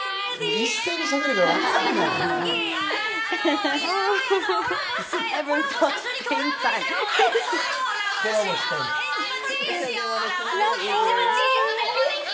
一斉にしゃべるからね。